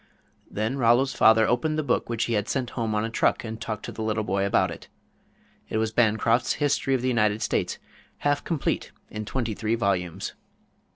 Then Rollo's father opened the book which he had sent home on a truck and talked to the little boy about it. It was Bancroft's History of the United States, half complete in twenty three volumes.